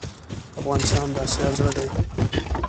افغانستان دا اسیا زړه ډی